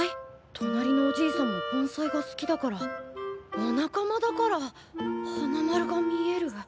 となりのおじいさんも盆栽が好きだからお仲間だから花丸が見える？